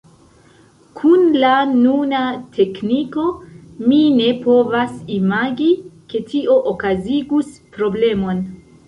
Kun la nuna tekniko, mi ne povas imagi, ke tio okazigus problemon!